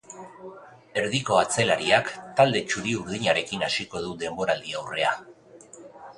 Erdiko atzelariak talde txuri-urdinarekin hasiko du denboraldi-aurrea.